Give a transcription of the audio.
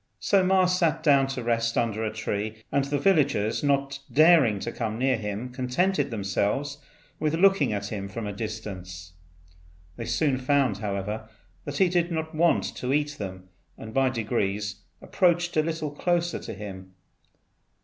So Ma sat down to rest under a tree, and the villagers, not daring to come near him, contented themselves with looking at him from a distance. They soon found, however, that he did not want to eat them, and by degrees approached a little closer to him.